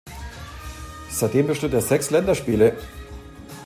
Seitdem bestritt er sechs Länderspiele.